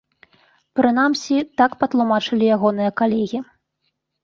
Прынамсі, так патлумачылі ягоныя калегі.